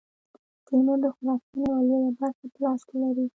تیمور د خراسان یوه لویه برخه په لاس کې لري.